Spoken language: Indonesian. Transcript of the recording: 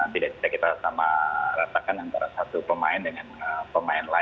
tidak kita sama ratakan antara satu pemain dengan satu pemain